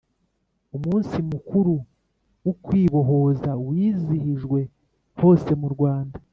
umunsi mukuru w’ukwibohoza wizihijwe hose mu rwanda